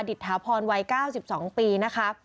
ถาพรวัย๙๒ปีนะคะ